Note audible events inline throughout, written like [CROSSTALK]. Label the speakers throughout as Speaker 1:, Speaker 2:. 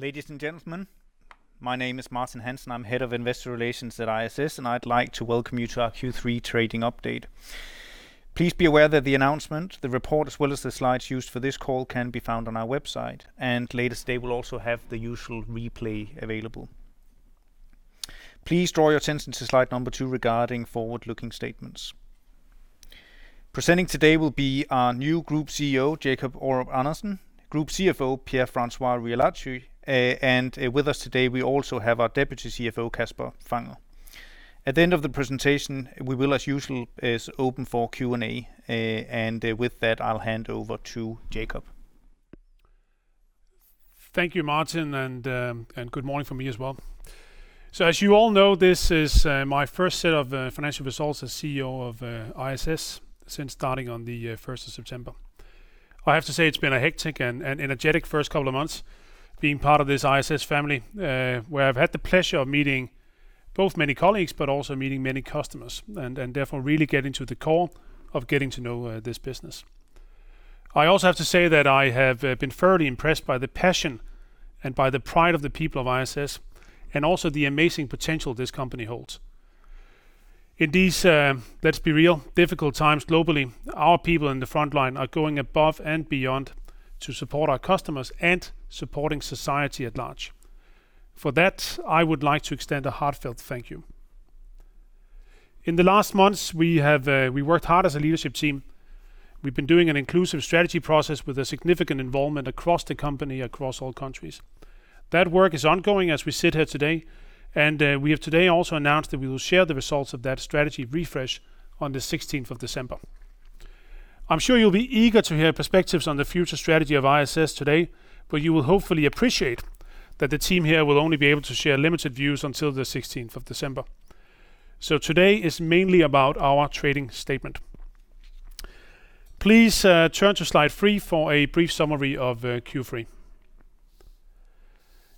Speaker 1: Ladies and gentlemen, my name is Martin Hansen. I'm Head of Investor Relations at ISS, and I'd like to welcome you to our Q3 trading update. Please be aware that the announcement, the report, as well as the slides used for this call can be found on our website, and later today, we'll also have the usual replay available. Please draw your attention to slide number two regarding forward-looking statements. Presenting today will be our new Group Chief Executive Officer, Jacob Aarup-Andersen, Group Chief Financial Officer, Pierre-François Riolacci, and with us today, we also have our Deputy Chief Financial Officer, Kasper Fangel. At the end of the presentation, we will, as usual, is open for Q and A, and with that, I'll hand over to Jacob.
Speaker 2: Thank you, Martin, and good morning from me as well. As you all know, this is my first set of financial results as CEO of ISS since starting on the 1st of September. I have to say it's been a hectic and energetic first couple of months being part of this ISS family, where I've had the pleasure of meeting both many colleagues, but also meeting many customers, and therefore, really getting to the core of getting to know this business. I also have to say that I have been thoroughly impressed by the passion and by the pride of the people of ISS, and also the amazing potential this company holds. In these, let's be real, difficult times globally, our people on the frontline are going above and beyond to support our customers and supporting society at large. For that, I would like to extend a heartfelt thank you. In the last months, we worked hard as a leadership team. We've been doing an inclusive strategy process with a significant involvement across the company, across all countries. That work is ongoing as we sit here today, and we have today also announced that we will share the results of that strategy refresh on the 16th of December. I'm sure you'll be eager to hear perspectives on the future strategy of ISS today, but you will hopefully appreciate that the team here will only be able to share limited views until the 16th of December. Today is mainly about our trading statement. Please turn to slide three for a brief summary of Q3.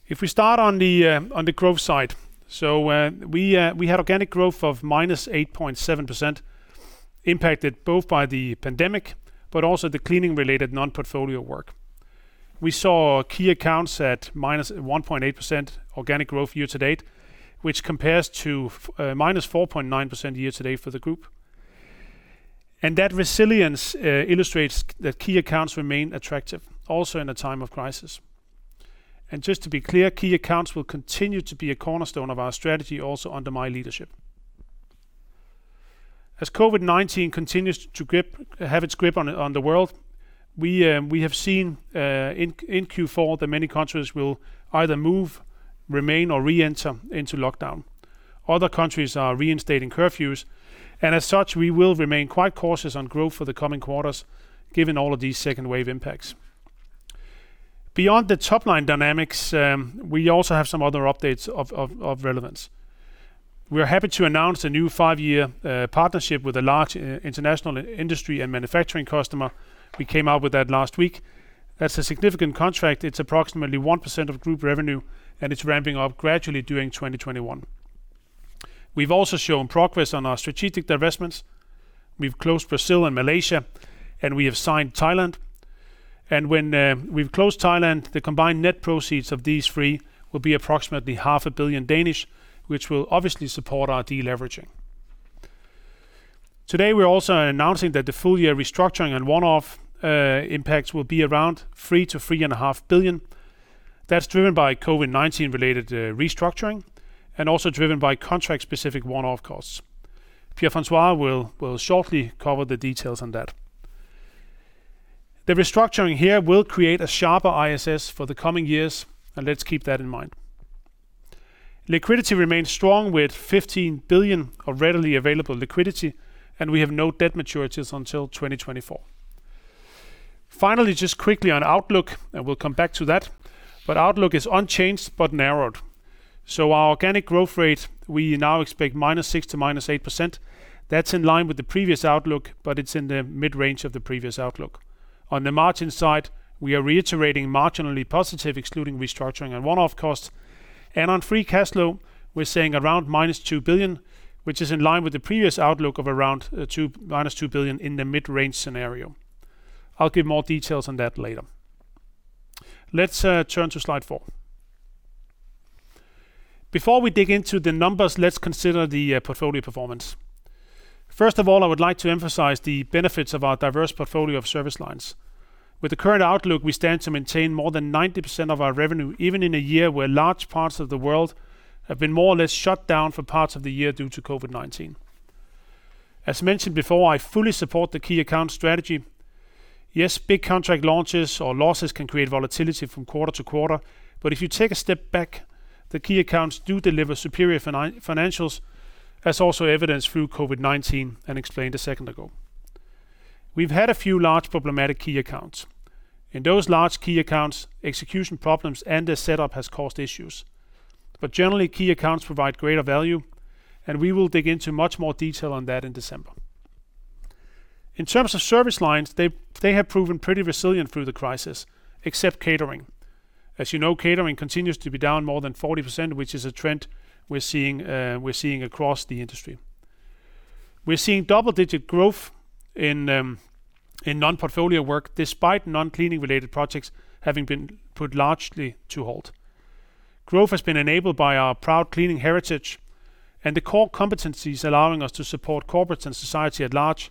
Speaker 2: If we start on the growth side, so we had organic growth of -8.7%, impacted both by the pandemic, but also the cleaning-related non-portfolio work. We saw key accounts at -1.8% organic growth year-to-date, which compares to -4.9% year-to-date for the group. That resilience illustrates that key accounts remain attractive also in a time of crisis. Just to be clear, key accounts will continue to be a cornerstone of our strategy also under my leadership. As COVID-19 continues to have its grip on the world, we have seen in Q4 that many countries will either move, remain, or reenter into lockdown. Other countries are reinstating curfews, and as such, we will remain quite cautious on growth for the coming quarters given all of these second-wave impacts. Beyond the top-line dynamics, we also have some other updates of relevance. We're happy to announce a new five-year partnership with a large international industry and manufacturing customer. We came out with that last week. That's a significant contract. It's approximately 1% of group revenue, and it's ramping up gradually during 2021. We've also shown progress on our strategic divestments. We've closed Brazil and Malaysia, and we have signed Thailand. When we've closed Thailand, the combined net proceeds of these three will be approximately 500 million, which will obviously support our deleveraging. Today, we're also announcing that the full-year restructuring and one-off impacts will be around 3 billion-3.5 billion. That's driven by COVID-19 related restructuring and also driven by contract-specific one-off costs. Pierre-François will shortly cover the details on that. The restructuring here will create a sharper ISS for the coming years, and let's keep that in mind. Liquidity remains strong with 15 billion of readily available liquidity, and we have no debt maturities until 2024. Finally, just quickly on outlook, and we'll come back to that, but outlook is unchanged but narrowed. Our organic growth rate, we now expect -6% to -8%. That's in line with the previous outlook, but it's in the mid-range of the previous outlook. On the margin side, we are reiterating marginally positive, excluding restructuring and one-off costs. On free cash flow, we're saying around -2 billion, which is in line with the previous outlook of around -2 billion in the mid-range scenario. I'll give more details on that later. Let's turn to slide four. Before we dig into the numbers, let's consider the portfolio performance. First of all, I would like to emphasize the benefits of our diverse portfolio of service lines. With the current outlook, we stand to maintain more than 90% of our revenue, even in a year where large parts of the world have been more or less shut down for parts of the year due to COVID-19. As mentioned before, I fully support the key account strategy. Yes, big contract launches or losses can create volatility from quarter to quarter, but if you take a step back, the key accounts do deliver superior financials as also evidenced through COVID-19 and explained a second ago. We've had a few large problematic key accounts. In those large key accounts, execution problems and the setup has caused issues. Generally, key accounts provide greater value, and we will dig into much more detail on that in December. In terms of service lines, they have proven pretty resilient through the crisis, except catering. As you know, catering continues to be down more than 40%, which is a trend we're seeing across the industry. We're seeing double-digit growth in non-portfolio work despite non-cleaning related projects having been put largely to hold. Growth has been enabled by our proud cleaning heritage and the core competencies allowing us to support corporates and society at large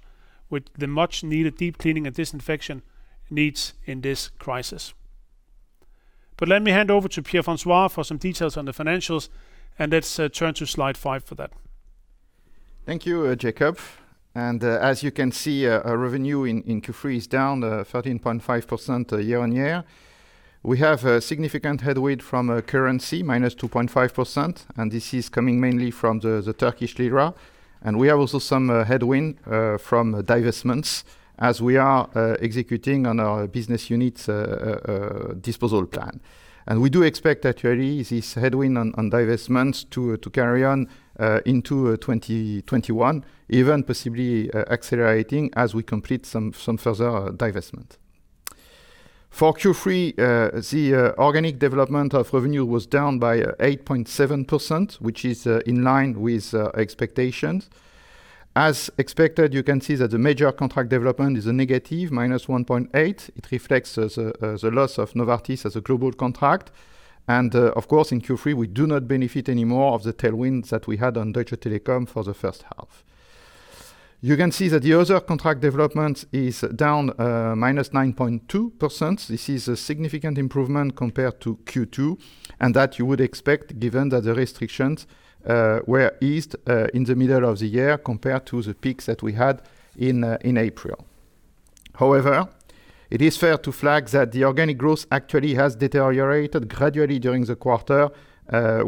Speaker 2: with the much-needed deep cleaning and disinfection needs in this crisis. Let me hand over to Pierre-François for some details on the financials, and let's turn to slide five for that.
Speaker 3: Thank you, Jacob. As you can see, our revenue in Q3 is down 13.5% year-on-year. We have a significant headwind from currency, minus 2.5%, and this is coming mainly from the Turkish lira. We have also some headwind from divestments as we are executing on our business unit disposal plan. We do expect actually this headwind on divestments to carry on into 2021, even possibly accelerating as we complete some further divestment. For Q3, the organic development of revenue was down by 8.7%, which is in line with expectations. As expected, you can see that the major contract development is a negative, minus 1.8%. It reflects the loss of Novartis as a global contract. Of course, in Q3, we do not benefit anymore of the tailwinds that we had on Deutsche Telekom for the first half. You can see that the other contract development is down -9.2%. This is a significant improvement compared to Q2, and that you would expect given that the restrictions were eased in the middle of the year compared to the peaks that we had in April. However, it is fair to flag that the organic growth actually has deteriorated gradually during the quarter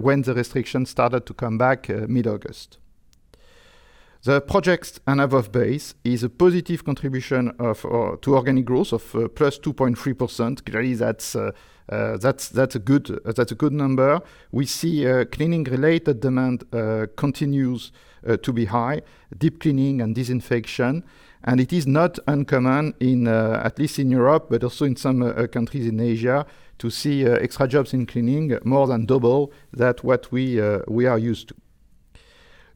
Speaker 3: when the restrictions started to come back mid-August. The projects and above base is a positive contribution to organic growth of +2.3%. Clearly, that's a good number. We see cleaning-related demand continues to be high, deep cleaning and disinfection, and it is not uncommon, at least in Europe, but also in some countries in Asia, to see extra jobs in cleaning more than double that what we are used to.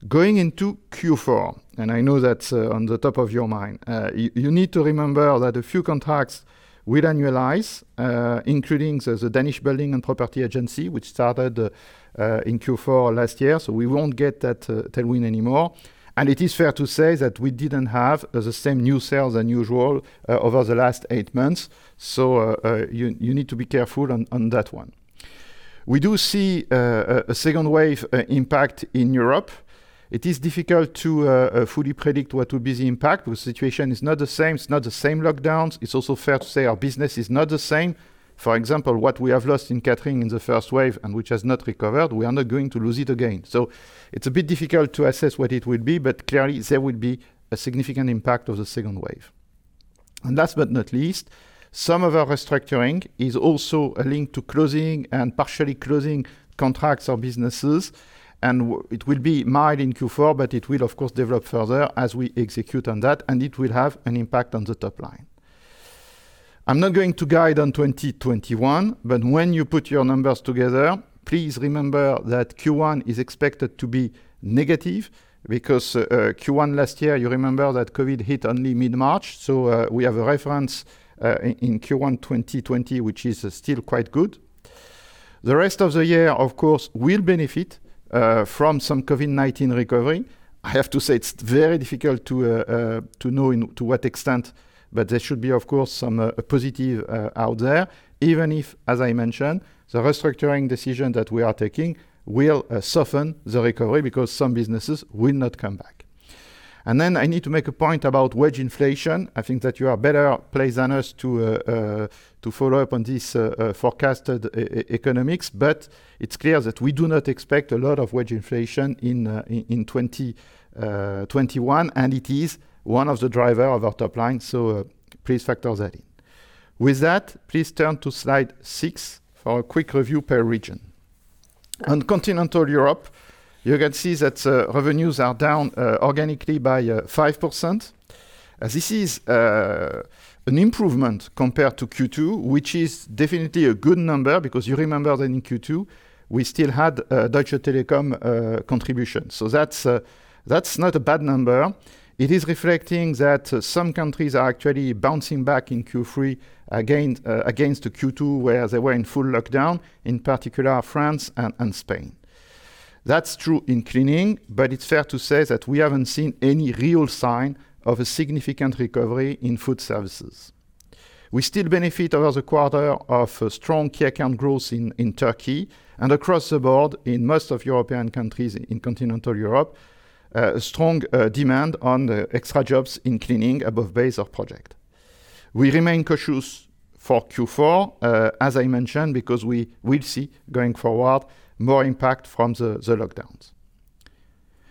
Speaker 3: Going into Q4, and I know that's on the top of your mind. You need to remember that a few contracts will annualize, including the Danish Building and Property Agency, which started in Q4 last year. We won't get that tailwind anymore. It is fair to say that we didn't have the same new sales than usual over the last eight months. You need to be careful on that one. We do see a second wave impact in Europe. It is difficult to fully predict what will be the impact. The situation is not the same. It's not the same lockdowns. It's also fair to say our business is not the same. For example, what we have lost in catering in the first wave and which has not recovered, we are not going to lose it again. It's a bit difficult to assess what it will be, but clearly there will be a significant impact of the second wave. Last but not least, some of our restructuring is also linked to closing and partially closing contracts or businesses. It will be mild in Q4, it will of course develop further as we execute on that, it will have an impact on the top line. I'm not going to guide on 2021, when you put your numbers together, please remember that Q1 is expected to be negative because Q1 last year, you remember that COVID-19 hit only mid-March. We have a reference in Q1 2020, which is still quite good. The rest of the year, of course, will benefit from some COVID-19 recovery. I have to say it's very difficult to know to what extent, but there should be, of course, some positive out there, even if, as I mentioned, the restructuring decision that we are taking will soften the recovery because some businesses will not come back. Then I need to make a point about wage inflation. I think that you are better placed than us to follow up on this forecasted economics. It's clear that we do not expect a lot of wage inflation in 2021, and it is one of the driver of our top line. Please factor that in. With that, please turn to slide six for a quick review per region. On Continental Europe, you can see that revenues are down organically by 5%. This is an improvement compared to Q2, which is definitely a good number because you remember that in Q2, we still had Deutsche Telekom contribution. That's not a bad number. It is reflecting that some countries are actually bouncing back in Q3 against the Q2, where they were in full lockdown, in particular France and Spain. That's true in cleaning, it's fair to say that we haven't seen any real sign of a significant recovery in food services. We still benefit over the quarter of strong key account growth in Turkey and across the board in most of European countries in Continental Europe, a strong demand on the extra jobs in cleaning above base of project. We remain cautious for Q4, as I mentioned, because we will see going forward more impact from the lockdowns.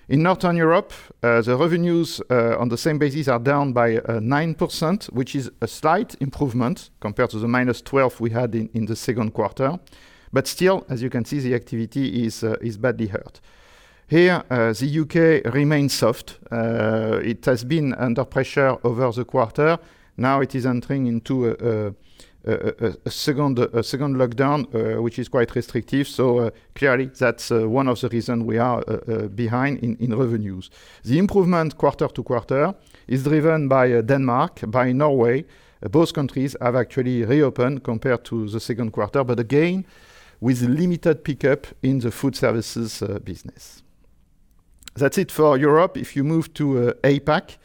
Speaker 3: In Northern Europe, the revenues on the same basis are down by 9%, which is a slight improvement compared to the -12 we had in the second quarter. Still, as you can see, the activity is badly hurt. Here, the U.K. remains soft. It has been under pressure over the quarter. Now it is entering into a second lockdown, which is quite restrictive. Clearly that's one of the reasons we are behind in revenues. The improvement quarter to quarter is driven by Denmark, by Norway. Both countries have actually reopened compared to the second quarter, again with limited pickup in the food services business. That's it for Europe. If you move to APAC,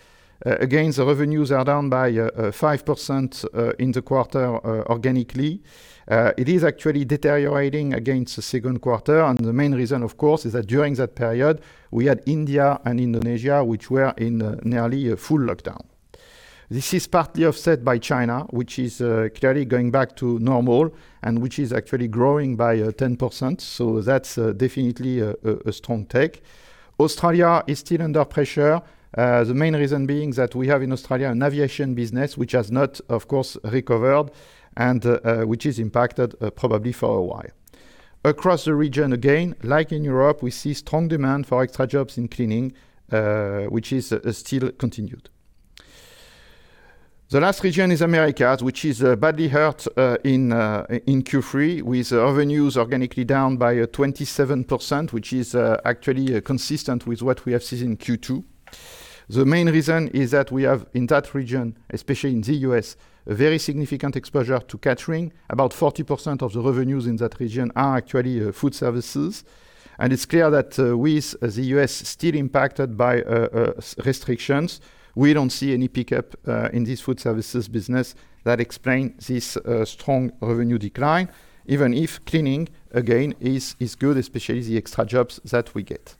Speaker 3: again, the revenues are down by 5% in the quarter organically. It is actually deteriorating against the second quarter, and the main reason, of course, is that during that period, we had India and Indonesia, which were in nearly a full lockdown. This is partly offset by China, which is clearly going back to normal and which is actually growing by 10%. That's definitely a strong take. Australia is still under pressure. The main reason being that we have in Australia an aviation business which has not, of course, recovered and which is impacted probably for a while. Across the region, again, like in Europe, we see strong demand for extra jobs in cleaning, which is still continued. The last region is Americas, which is badly hurt in Q3 with revenues organically down by 27%, which is actually consistent with what we have seen in Q2. The main reason is that we have in that region, especially in the U.S., a very significant exposure to catering. About 40% of the revenues in that region are actually food services. It's clear that with the U.S. still impacted by restrictions, we don't see any pickup in this food services business that explains this strong revenue decline, even if cleaning, again, is good, especially the extra jobs that we get.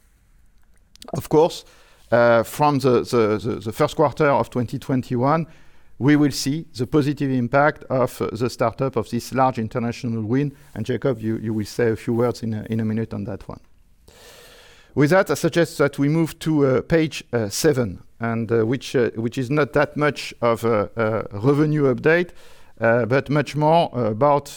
Speaker 3: Of course, from the first quarter of 2021, we will see the positive impact of the startup of this large international win. Jacob, you will say a few words in a minute on that one. With that, I suggest that we move to page seven. Which is not that much of a revenue update but much more about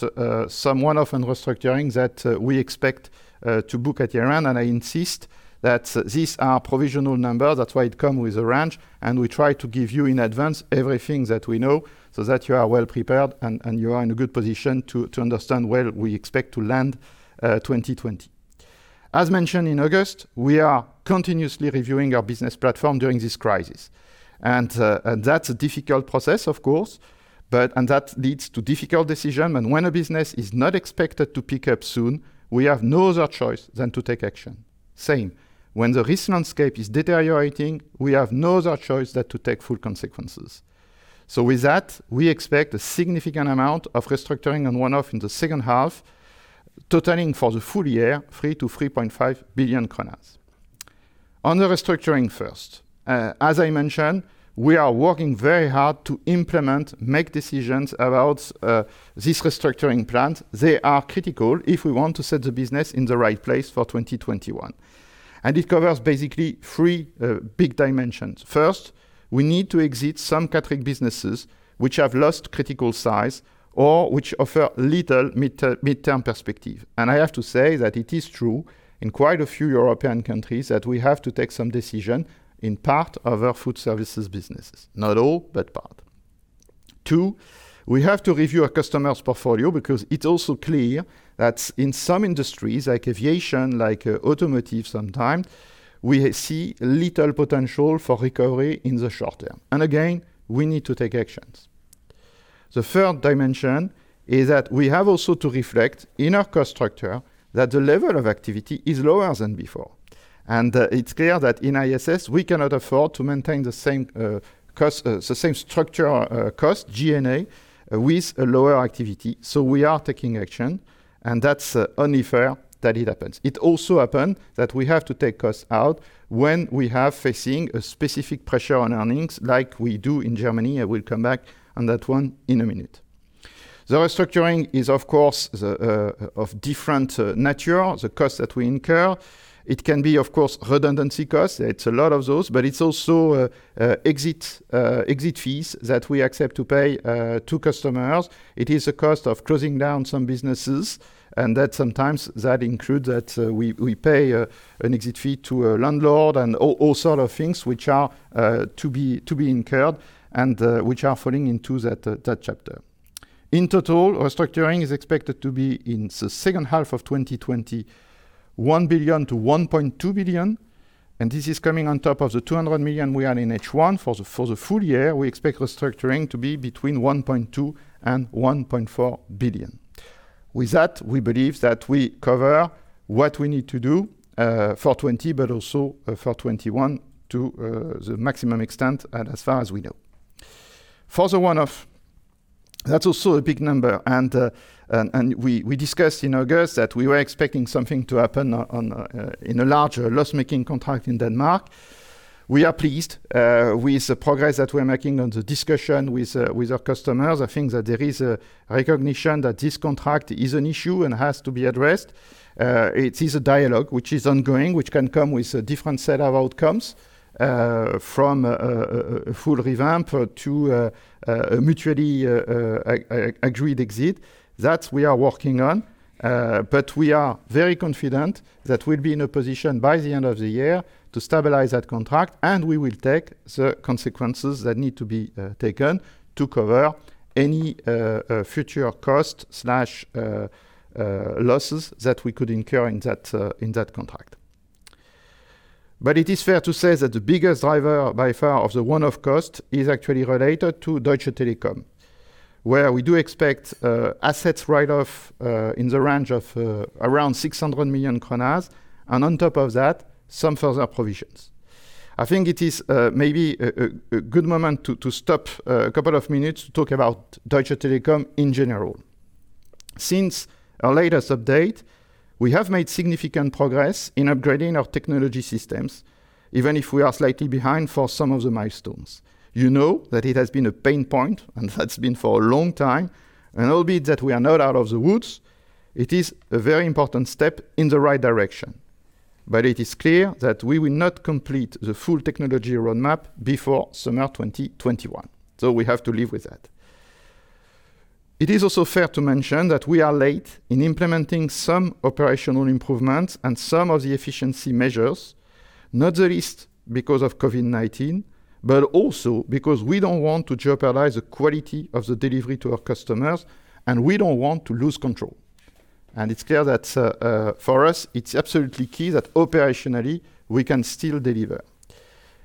Speaker 3: some one-off and restructuring that we expect to book at year-end. I insist that these are provisional numbers. That's why it come with a range. We try to give you in advance everything that we know so that you are well prepared and you are in a good position to understand where we expect to land 2020. As mentioned in August, we are continuously reviewing our business platform during this crisis. That's a difficult process of course, and that leads to difficult decision. When a business is not expected to pick up soon, we have no other choice than to take action. Same when the risk landscape is deteriorating, we have no other choice than to take full consequences. With that, we expect a significant amount of restructuring and one-off in the second half, totaling for the full year, 3 billion-3.5 billion kroner. On the restructuring first, as I mentioned, we are working very hard to implement, make decisions about this restructuring plan. They are critical if we want to set the business in the right place for 2021. It covers basically three big dimensions. First, we need to exit some catering businesses which have lost critical size or which offer little midterm perspective. I have to say that it is true in quite a few European countries that we have to take some decision in part of our food services businesses. Not all, but part. Two, we have to review our customers' portfolio because it's also clear that in some industries like aviation, like automotive sometime, we see little potential for recovery in the short term. Again, we need to take actions. The third dimension is that we have also to reflect in our cost structure that the level of activity is lower than before. It's clear that in ISS A/S, we cannot afford to maintain the same structure cost, G&A, with a lower activity. We are taking action, and that's only fair that it happens. It also happens that we have to take cost out when we are facing a specific pressure on earnings like we do in Germany. I will come back on that one in a minute. The restructuring is, of course, of different nature. The cost that we incur, it can be, of course, redundancy cost. It's a lot of those, but it's also exit fees that we accept to pay to customers. It is a cost of closing down some businesses, and sometimes that includes that we pay an exit fee to a landlord and all sort of things which are to be incurred and which are falling into that chapter. In total, restructuring is expected to be in the second half of 2020, 1 billion-1.2 billion. This is coming on top of the 200 million we are in H1. For the full year, we expect restructuring to be between 1.2 billion and 1.4 billion. With that, we believe that we cover what we need to do for 2020 but also for 2021 to the maximum extent and as far as we know. For the one-off, that's also a big number. We discussed in August that we were expecting something to happen in a larger loss-making contract in Denmark. We are pleased with the progress that we are making on the discussion with our customers. I think that there is a recognition that this contract is an issue and has to be addressed. It is a dialogue which is ongoing, which can come with a different set of outcomes from a full revamp to a mutually agreed exit. That we are working on but we are very confident that we'll be in a position by the end of the year to stabilize that contract, and we will take the consequences that need to be taken to cover any future cost/losses that we could incur in that contract. It is fair to say that the biggest driver by far of the one-off cost is actually related to Deutsche Telekom. We do expect assets write-off in the range of around 600 million kroner. On top of that, some further provisions. I think it is maybe a good moment to stop a couple of minutes to talk about Deutsche Telekom in general. Since our latest update, we have made significant progress in upgrading our technology systems, even if we are slightly behind for some of the milestones. You know that it has been a pain point, and that's been for a long time. Albeit that we are not out of the woods, it is a very important step in the right direction. It is clear that we will not complete the full technology roadmap before summer 2021. We have to live with that. It is also fair to mention that we are late in implementing some operational improvements and some of the efficiency measures, not the least because of COVID-19, but also because we don't want to jeopardize the quality of the delivery to our customers, and we don't want to lose control. It's clear that for us, it's absolutely key that operationally, we can still deliver.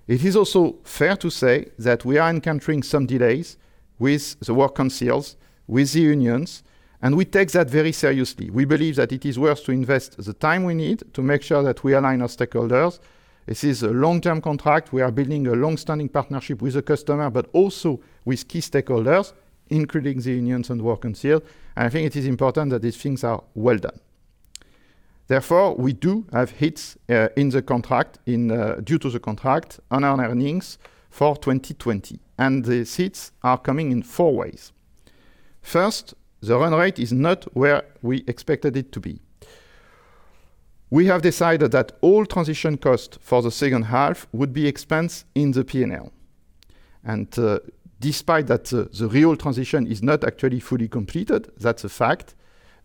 Speaker 3: It is also fair to say that we are encountering some delays with the work councils, with the unions, and we take that very seriously. We believe that it is worth to invest the time we need to make sure that we align our stakeholders. This is a long-term contract. We are building a long-standing partnership with the customer, but also with key stakeholders, including the unions and work council. I think it is important that these things are well done. Therefore, we do have hits in the contract, due to the contract on our earnings for 2020, and these hits are coming in four ways. First, the run rate is not where we expected it to be. We have decided that all transition costs for the second half would be expensed in the P&L. Despite that the real transition is not actually fully completed, that's a fact.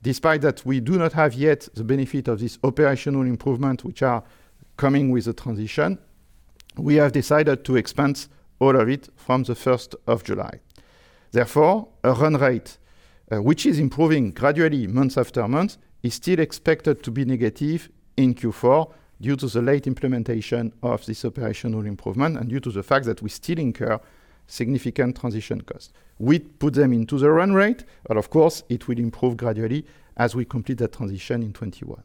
Speaker 3: Despite that, we do not have yet the benefit of this operational improvement which are coming with the transition. We have decided to expense all of it from the 1st of July. Therefore, a run rate which is improving gradually month after month, is still expected to be negative in Q4 due to the late implementation of this operational improvement and due to the fact that we still incur significant transition costs. We put them into the run rate, of course it will improve gradually as we complete that transition in 2021.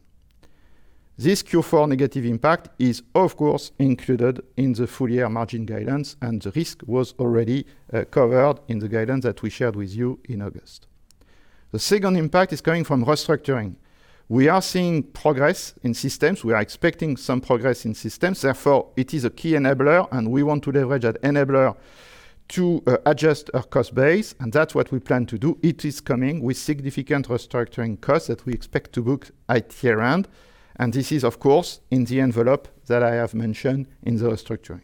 Speaker 3: This Q4 negative impact is, of course, included in the full-year margin guidance, the risk was already covered in the guidance that we shared with you in August. The second impact is coming from restructuring. We are seeing progress in systems. We are expecting some progress in systems, therefore, it is a key enabler, we want to leverage that enabler to adjust our cost base, that's what we plan to do. It is coming with significant restructuring costs that we expect to book at year-end. This is, of course, in the envelope that I have mentioned in the restructuring.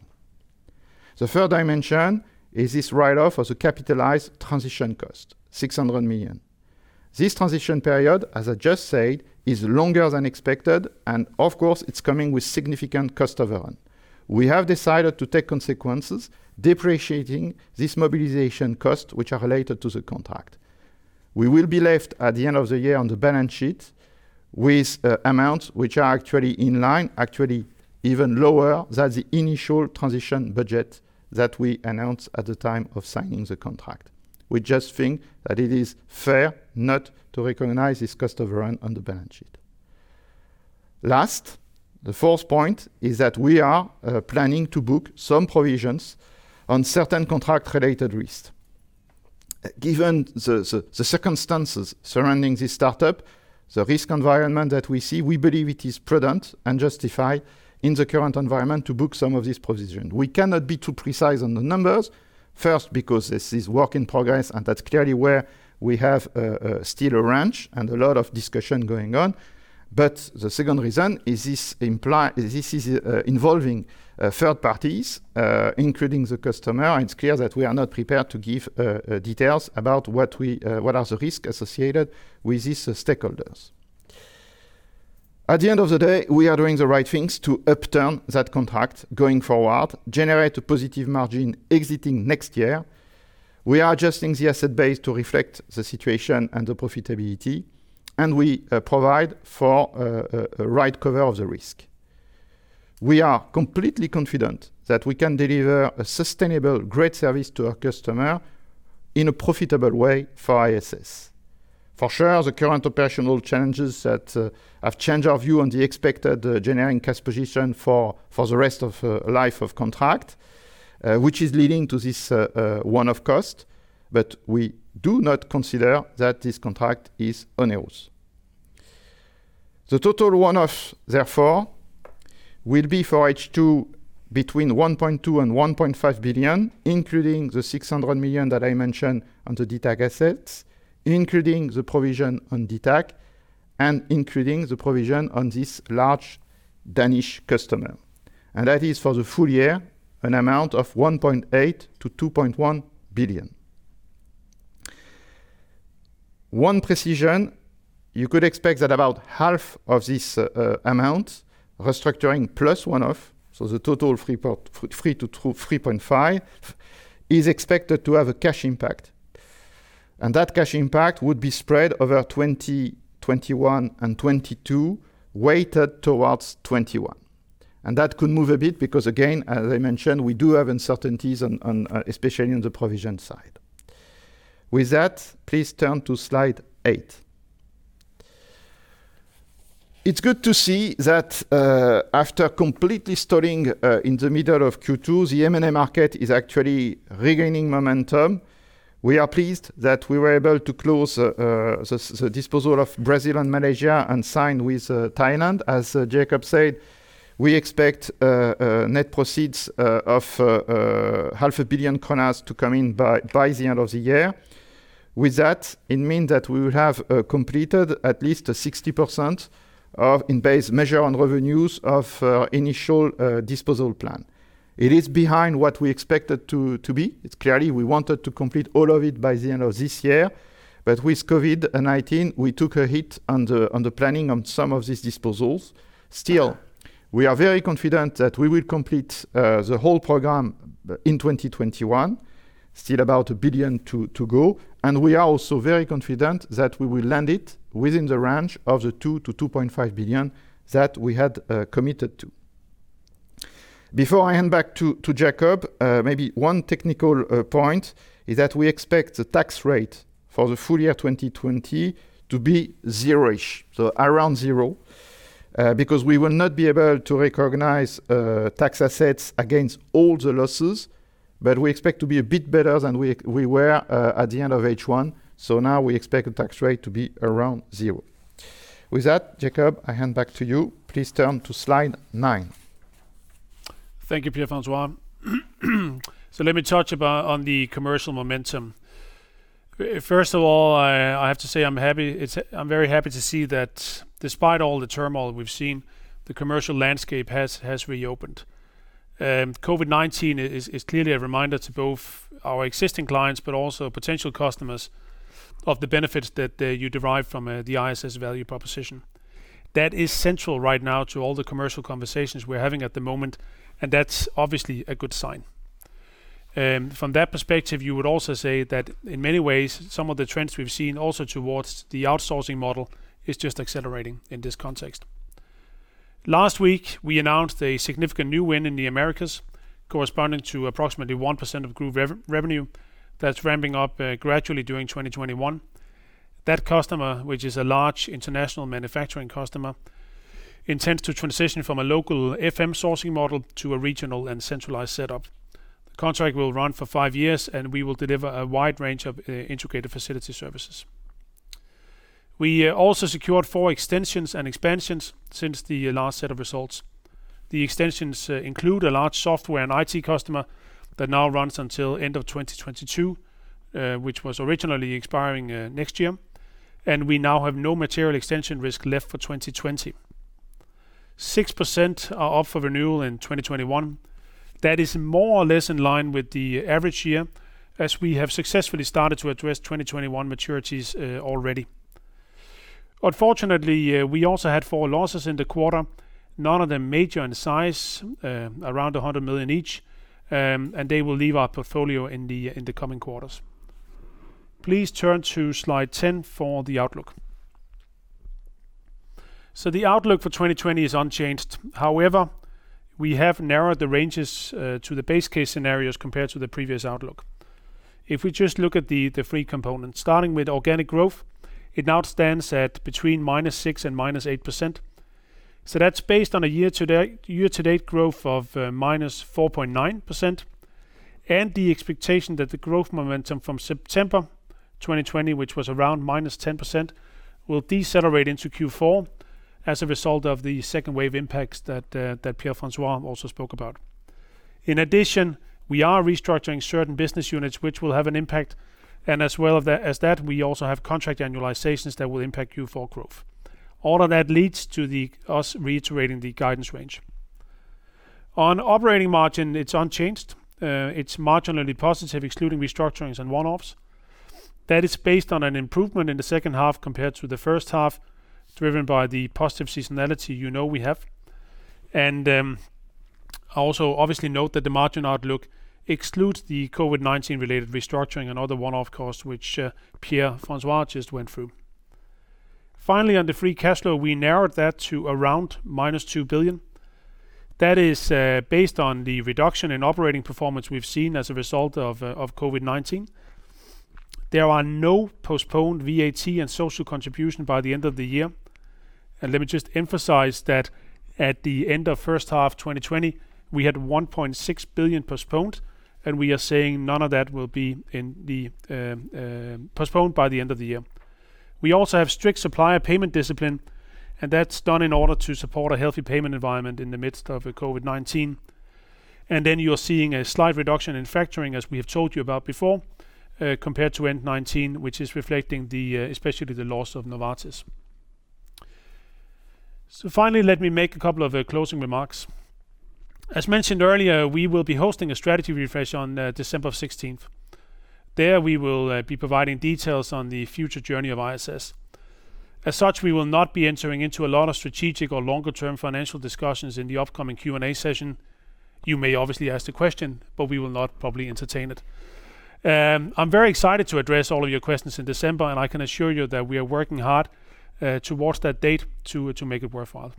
Speaker 3: The third dimension is this write-off of the capitalized transition cost, 600 million. This transition period, as I just said, is longer than expected and, of course, it's coming with significant cost overrun. We have decided to take consequences depreciating this mobilization cost which are related to the contract. We will be left at the end of the year on the balance sheet with amounts which are actually in line, actually even lower than the initial transition budget that we announced at the time of signing the contract. We just think that it is fair not to recognize this cost overrun on the balance sheet. Last, the fourth point is that we are planning to book some provisions on certain contract-related risks. Given the circumstances surrounding this startup, the risk environment that we see, we believe it is prudent and justified in the current environment to book some of these provisions. We cannot be too precise on the numbers. Because this is work in progress, and that's clearly where we have still a range and a lot of discussion going on. The second reason is this is involving third parties, including the customer. It's clear that we are not prepared to give details about what are the risks associated with these stakeholders. At the end of the day, we are doing the right things to upturn that contract going forward, generate a positive margin exiting next year. We are adjusting the asset base to reflect the situation and the profitability, and we provide for right cover of the risk. We are completely confident that we can deliver a sustainable, great service to our customer in a profitable way for ISS. For sure, the current operational challenges that have changed our view on the expected generating cash position for the rest of life of contract, which is leading to this one-off cost. We do not consider that this contract is on ice. The total one-off, therefore, will be for H2 between 1.2 billion-1.5 billion, including the 600 million that I mentioned on the DTAC assets, including the provision on DTAC, and including the provision on this large Danish customer. That is for the full year, an amount of 1.8 billion-2.1 billion. One precision, you could expect that about half of this amount, restructuring plus one-off, so the total 3 billion-3.5 billion, is expected to have a cash impact. That cash impact would be spread over 2021 and 2022, weighted towards 2021. That could move a bit because again, as I mentioned, we do have uncertainties, especially on the provision side. With that, please turn to slide eight. It's good to see that after completely stalling in the middle of Q2, the M&A market is actually regaining momentum. We are pleased that we were able to close the disposal of Brazil and Malaysia and sign with Thailand. As Jacob said, we expect net proceeds of half a billion Danish krone to come in by the end of the year. With that, it means that we will have completed at least 60% of in base measure on revenues of initial disposal plan. It is behind what we expected to be. It's clearly we wanted to complete all of it by the end of this year, but with COVID-19, we took a hit on the planning on some of these disposals. We are very confident that we will complete the whole program in 2021. About 1 billion to go, and we are also very confident that we will land it within the range of the 2 billion-2.5 billion that we had committed to. Before I hand back to Jacob, maybe one technical point is that we expect the tax rate for the full year 2020 to be zero-ish. Around zero, because we will not be able to recognize tax assets against all the losses, but we expect to be a bit better than we were, at the end of H1. Now we expect the tax rate to be around zero. With that, Jacob, I hand back to you. Please turn to slide nine.
Speaker 2: Thank you, Pierre-François. Let me touch about on the commercial momentum. First of all, I have to say I'm very happy to see that despite all the turmoil we've seen, the commercial landscape has reopened. COVID-19 is clearly a reminder to both our existing clients, but also potential customers of the benefits that you derive from the ISS value proposition. That is central right now to all the commercial conversations we're having at the moment, and that's obviously a good sign. From that perspective, you would also say that in many ways, some of the trends we've seen also towards the outsourcing model is just accelerating in this context. Last week, we announced a significant new win in the Americas corresponding to approximately 1% of group revenue that's ramping up gradually during 2021. That customer, which is a large international manufacturing customer, intends to transition from a local FM sourcing model to a regional and centralized setup. The contract will run for five years. We will deliver a wide range of integrated facility services. We also secured four extensions and expansions since the last set of results. The extensions include a large software and IT customer that now runs until end of 2022, which was originally expiring next year. We now have no material extension risk left for 2020. 6% are up for renewal in 2021. That is more or less in line with the average year as we have successfully started to address 2021 maturities already. Unfortunately, we also had four losses in the quarter, none of them major in size, around 100 million each. They will leave our portfolio in the coming quarters. Please turn to slide 10 for the outlook. The outlook for 2020 is unchanged. However, we have narrowed the ranges to the base case scenarios compared to the previous outlook. If we just look at the three components, starting with organic growth, it now stands at between -6% and -8%. That's based on a year-to-date growth of -4.9% and the expectation that the growth momentum from September 2020, which was around -10%, will decelerate into Q4 as a result of the second wave impacts that Pierre-François also spoke about. In addition, we are restructuring certain business units which will have an impact, and as well as that, we also have contract annualizations that will impact Q4 growth. All of that leads to us reiterating the guidance range. On operating margin, it's unchanged. It's marginally positive, excluding restructurings and one-offs. That is based on an improvement in the second half compared to the first half, driven by the positive seasonality you know we have. Also obviously note that the margin outlook excludes the COVID-19-related restructuring and other one-off costs, which Pierre-François just went through. Finally, on the free cash flow, we narrowed that to around -2 billion. That is based on the reduction in operating performance we've seen as a result of COVID-19. There are no postponed VAT and social contribution by the end of the year. Let me just emphasize that at the end of first half 2020, we had 1.6 billion postponed, and we are saying none of that will be postponed by the end of the year. We also have strict supplier payment discipline, and that's done in order to support a healthy payment environment in the midst of COVID-19. Then you're seeing a slight reduction in factoring, as we have told you about before, compared to 2019, which is reflecting especially the loss of Novartis. Finally, let me make a couple of closing remarks. As mentioned earlier, we will be hosting a strategy refresh on December 16th. There, we will be providing details on the future journey of ISS. As such, we will not be entering into a lot of strategic or longer-term financial discussions in the upcoming Q and A session. You may obviously ask the question, but we will not probably entertain it. I'm very excited to address all of your questions in December, and I can assure you that we are working hard towards that date to make it worthwhile.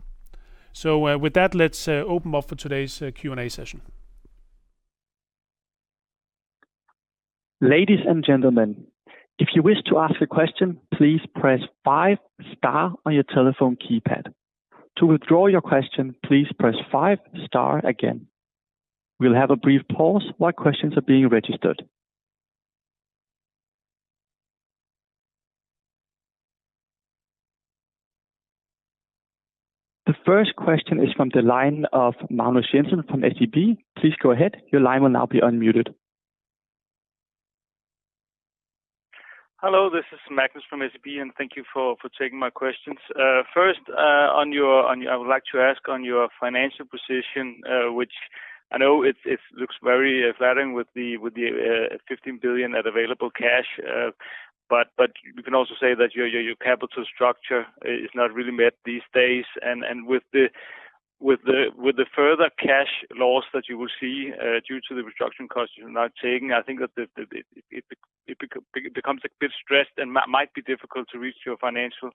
Speaker 2: With that, let's open up for today's Q and A session.
Speaker 4: Ladies and gentlemen, if you wish to ask a question, please press five star on your telephone keypad. To withdraw your question, please press five star again. We'll have a brief pause while questions are being registered. The first question is from the line of Magnus Jensen from SEB. Please go ahead. Your line will now be unmuted.
Speaker 5: Hello, this is Magnus from SEB. Thank you for taking my questions. First, I would like to ask on your financial position, which I know it looks very flattering with the 15 billion at available cash. You can also say that your capital structure is not really met these days. With the further cash loss that you will see due to the reduction costs you're now taking, I think that it becomes a bit stressed and might be difficult to reach your financial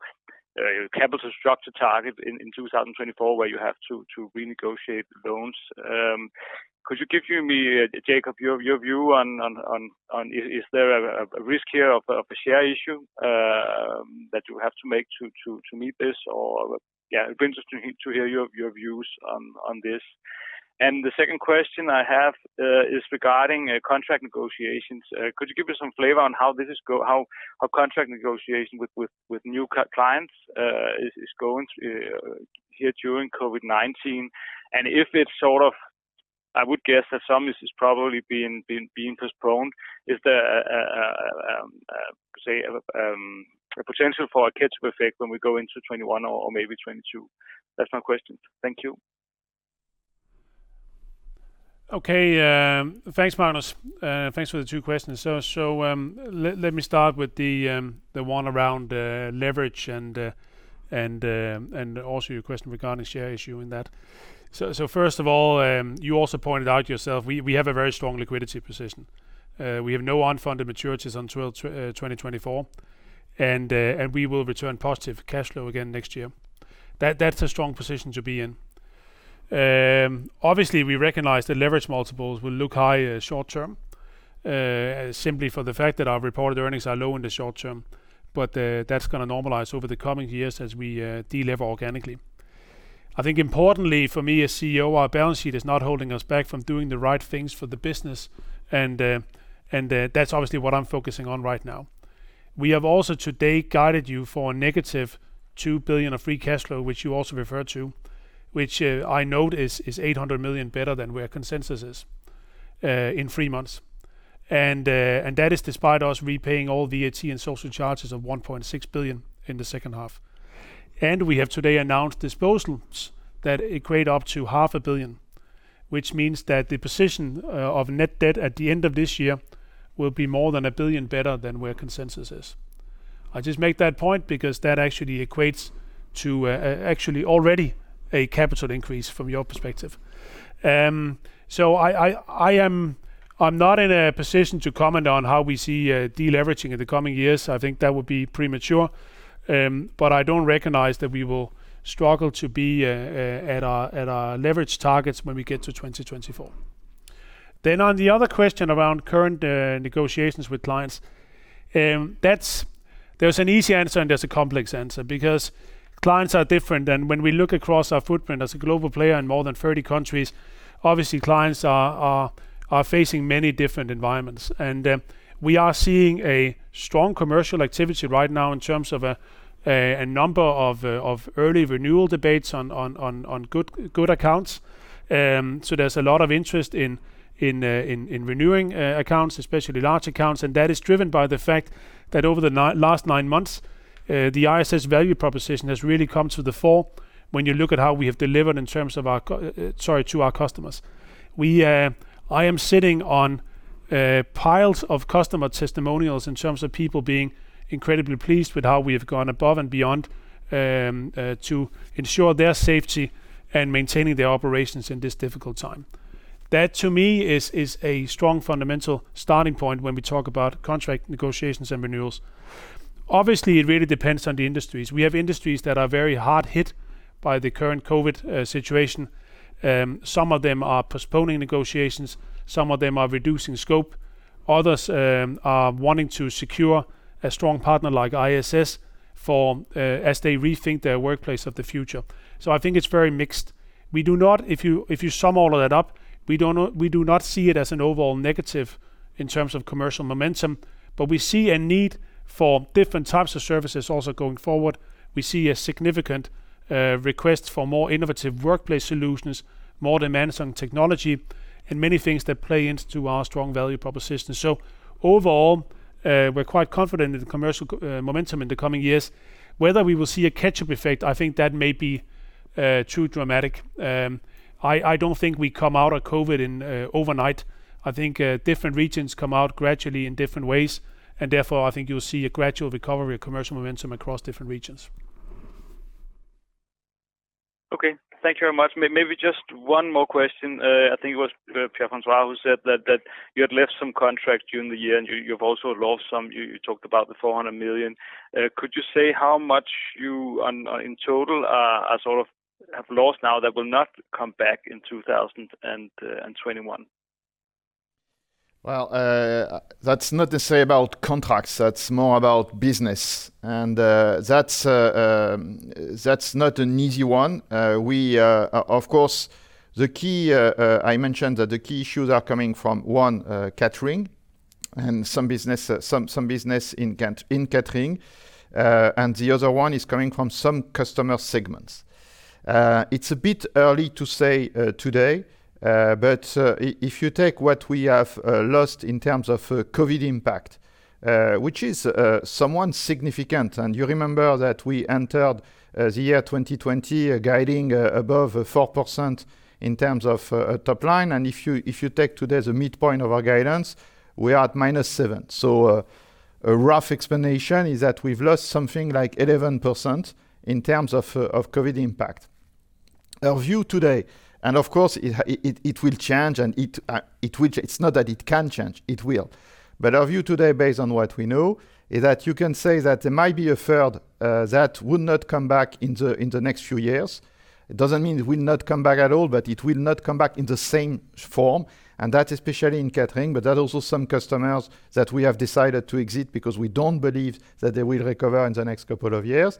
Speaker 5: capital structure target in 2024, where you have to renegotiate the loans. Could you give me, Jacob, your view on, is there a risk here of a share issue that you have to make to meet this? It'll be interesting to hear your views on this. The second question I have is regarding contract negotiations. Could you give me some flavor on how contract negotiation with new clients is going here during COVID-19? If it's sort of, I would guess that some of this is probably being postponed. Is there, say, a potential for a catch-up effect when we go into 2021 or maybe 2022? That's my questions. Thank you.
Speaker 2: Okay. Thanks, Magnus. Thanks for the two questions. Let me start with the one around leverage and also your question regarding share issue in that. First of all, you also pointed out yourself, we have a very strong liquidity position. We have no unfunded maturities until 2024, and we will return positive cash flow again next year. That's a strong position to be in. Obviously, we recognize that leverage multiples will look high short-term, simply for the fact that our reported earnings are low in the short term. That's going to normalize over the coming years as we delever organically. I think importantly for me as CEO, our balance sheet is not holding us back from doing the right things for the business, and that's obviously what I'm focusing on right now. We have also today guided you for a negative 2 billion of free cash flow, which you also referred to, which I note is 800 million better than where consensus is in three months. That is despite us repaying all VAT and social charges of 1.6 billion in the second half. We have today announced disposals that equate up to half a billion, which means that the position of net debt at the end of this year will be more than 1 billion better than where consensus is. I just make that point because that actually equates to actually already a capital increase from your perspective. I'm not in a position to comment on how we see deleveraging in the coming years. I think that would be premature. I don't recognize that we will struggle to be at our leverage targets when we get to 2024. On the other question around current negotiations with clients, there's an easy answer and there's a complex answer because clients are different. When we look across our footprint as a global player in more than 30 countries, obviously clients are facing many different environments. We are seeing a strong commercial activity right now in terms of a number of early renewal debates on good accounts. There's a lot of interest in renewing accounts, especially large accounts. That is driven by the fact that over the last nine months, the ISS value proposition has really come to the fore when you look at how we have delivered to our customers. I am sitting on piles of customer testimonials in terms of people being incredibly pleased with how we have gone above and beyond to ensure their safety and maintaining their operations in this difficult time. That to me is a strong fundamental starting point when we talk about contract negotiations and renewals. It really depends on the industries. We have industries that are very hard hit by the current COVID-19 situation. Some of them are postponing negotiations, some of them are reducing scope, others are wanting to secure a strong partner like ISS as they rethink their workplace of the future. I think it's very mixed. If you sum all of that up, we do not see it as an overall negative in terms of commercial momentum, but we see a need for different types of services also going forward. We see a significant request for more innovative workplace solutions, more demands on technology, and many things that play into our strong value proposition. Overall, we're quite confident in the commercial momentum in the coming years. Whether we will see a catch-up effect, I think that may be too dramatic. I don't think we come out of COVID overnight. I think different regions come out gradually in different ways. Therefore, I think you'll see a gradual recovery of commercial momentum across different regions.
Speaker 5: Okay. Thank you very much. Maybe just one more question. I think it was Pierre-François who said that you had left some contracts during the year, and you've also lost some. You talked about the 400 million. Could you say how much you, in total, have lost now that will not come back in 2021?
Speaker 3: That's not to say about contracts. That's more about business. That's not an easy one. I mentioned that the key issues are coming from one, catering and some business in catering. The other one is coming from some customer segments. It's a bit early to say today, but if you take what we have lost in terms of COVID-19 impact, which is somewhat significant, you remember that we entered the year 2020 guiding above 4% in terms of top line, if you take today the midpoint of our guidance, we are at -7%. A rough explanation is that we've lost something like 11% in terms of COVID-19 impact. Our view today, of course, it will change, it's not that it can change, it will. Our view today, based on what we know, is that you can say that there might be a third that will not come back in the next few years. It doesn't mean it will not come back at all, but it will not come back in the same form, and that's especially in catering, but there are also some customers that we have decided to exit because we don't believe that they will recover in the next couple of years.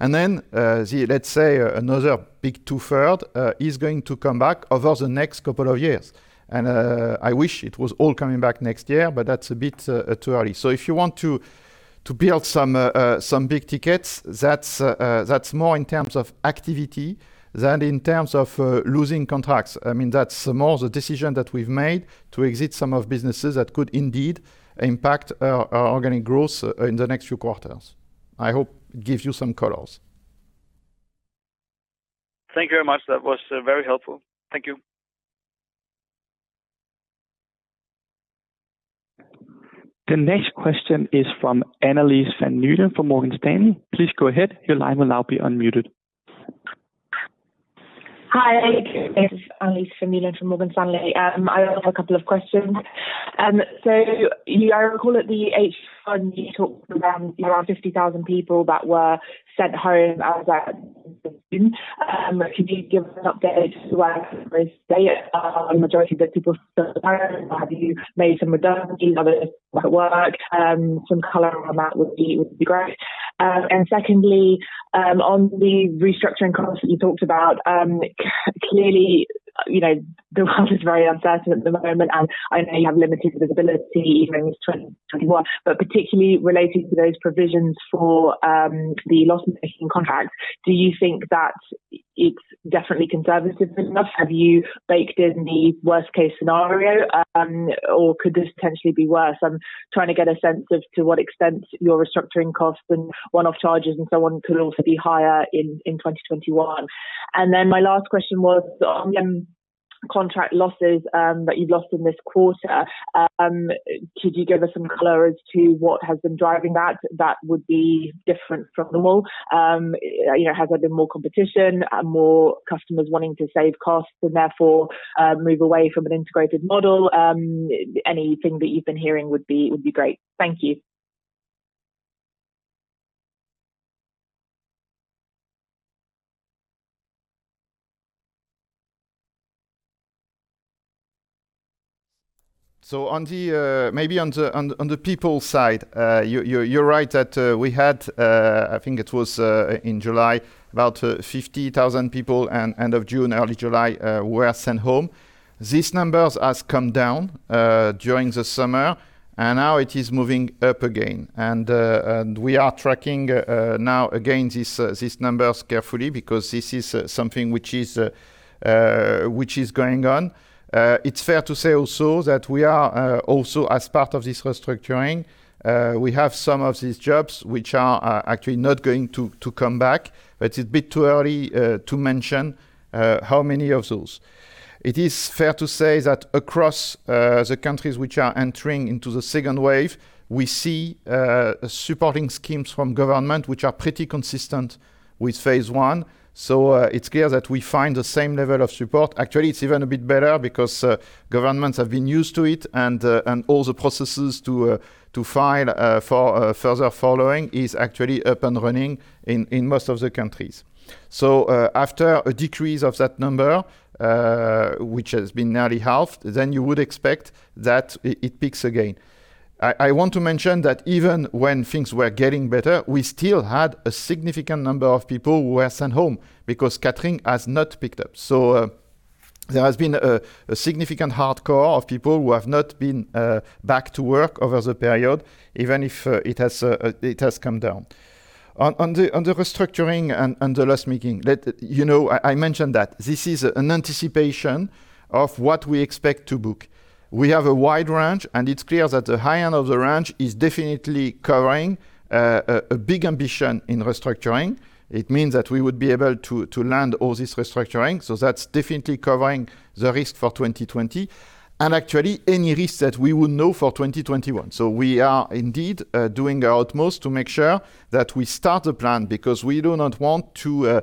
Speaker 3: Let's say another big two-third is going to come back over the next couple of years. I wish it was all coming back next year, but that's a bit too early. If you want to build some big tickets, that's more in terms of activity than in terms of losing contracts. That's more the decision that we've made to exit some businesses that could indeed impact our organic growth in the next few quarters. I hope gives you some colors.
Speaker 5: Thank you very much. That was very helpful. Thank you.
Speaker 4: The next question is from Annelies Vermeulen from Morgan Stanley. Please go ahead.
Speaker 6: Hi, this is Annelies Vermeulen from Morgan Stanley. I have a couple of questions. I recall at the H1 you talked around 50,000 people that were sent home as at. [INAUDIBLE] Could you give an update as to where they are? Majority of those people still at home? Have you made some redundancies, others back at work? Some color on that would be great. Secondly, on the restructuring costs that you talked about, clearly, the world is very uncertain at the moment, and I know you have limited visibility even in this 2021, but particularly relating to those provisions for the loss-making contracts, do you think that it's definitely conservative enough? Have you baked in the worst case scenario? Could this potentially be worse? I'm trying to get a sense as to what extent your restructuring costs and one-off charges and so on could also be higher in 2021. My last question was on contract losses that you've lost in this quarter. Could you give us some color as to what has been driving that would be different from normal? Has there been more competition, more customers wanting to save costs and therefore, move away from an integrated model? Anything that you've been hearing would be great. Thank you.
Speaker 3: Maybe on the people side, you're right that we had, I think it was in July, about 50,000 people end of June, early July, were sent home. These numbers has come down during the summer. Now it is moving up again. We are tracking now again these numbers carefully because this is something which is going on. It's fair to say also that we are also as part of this restructuring we have some of these jobs which are actually not going to come back, but it's a bit too early to mention how many of those. It is fair to say that across the countries which are entering into the second wave, we see supporting schemes from government, which are pretty consistent with phase one. It's clear that we find the same level of support. Actually, it's even a bit better because governments have been used to it and all the processes to file for furloughing is actually up and running in most of the countries. After a decrease of that number, which has been nearly halved, then you would expect that it peaks again. I want to mention that even when things were getting better, we still had a significant number of people who were sent home because catering has not picked up. There has been a significant hardcore of people who have not been back to work over the period, even if it has come down. On the restructuring and the loss-making, I mentioned that this is an anticipation of what we expect to book. We have a wide range, it's clear that the high end of the range is definitely covering a big ambition in restructuring. It means that we would be able to land all this restructuring, so that's definitely covering the risk for 2020 and actually any risk that we will know for 2021. We are indeed doing our utmost to make sure that we start the plan, because we do not want to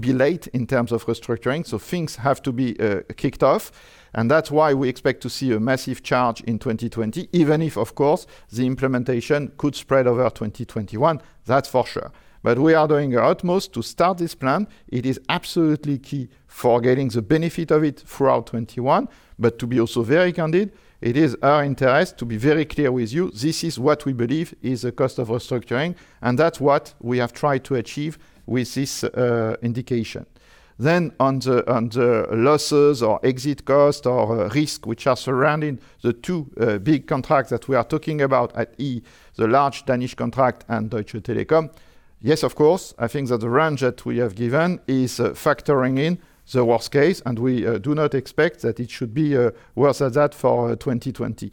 Speaker 3: be late in terms of restructuring, so things have to be kicked off. That's why we expect to see a massive charge in 2020, even if, of course, the implementation could spread over 2021. That's for sure. We are doing our utmost to start this plan. It is absolutely key for getting the benefit of it throughout 2021. To be also very candid, it is our interest to be very clear with you, this is what we believe is the cost of restructuring, and that's what we have tried to achieve with this indication. On the losses or exit cost or risk, which are surrounding the two big contracts that we are talking about, i.e., the large Danish contract and Deutsche Telekom. Of course, I think that the range that we have given is factoring in the worst case, and we do not expect that it should be worse than that for 2020.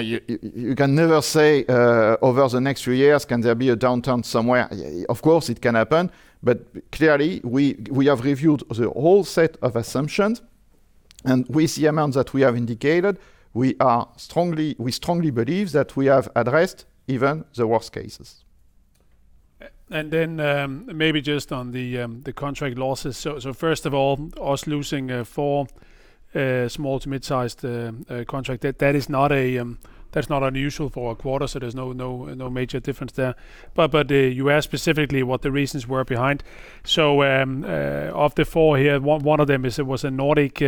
Speaker 3: You can never say, over the next few years, can there be a downturn somewhere? It can happen, clearly we have reviewed the whole set of assumptions, and with the amount that we have indicated, we strongly believe that we have addressed even the worst cases.
Speaker 2: Maybe just on the contract losses. First of all, us losing four small to mid-sized contract, that's not unusual for a quarter, so there's no major difference there. You asked specifically what the reasons were behind. Of the four here, one of them is it was a Nordic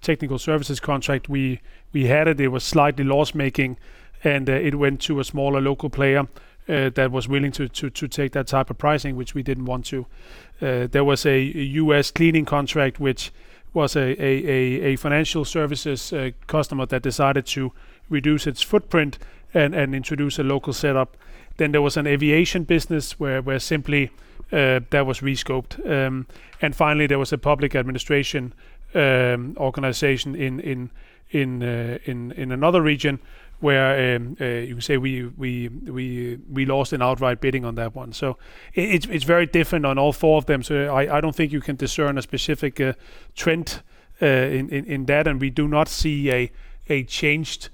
Speaker 2: technical services contract. We had it was slightly loss-making, and it went to a smaller local player that was willing to take that type of pricing, which we didn't want to. There was a U.S. cleaning contract, which was a financial services customer that decided to reduce its footprint and introduce a local setup. There was an aviation business where simply that was re-scoped. Finally, there was a public administration organization in another region where you could say we lost in outright bidding on that one. It's very different on all four of them. I don't think you can discern a specific trend in that. We do not see a changed